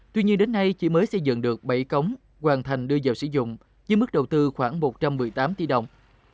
tuy nhiên đến nay chỉ mới xây dựng được bảy cống hoàn thành đưa vào sử dụng với mức đầu tư khoảng một trăm một mươi tám tỷ đồng